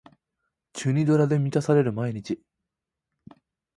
チュニドラで満たされる毎日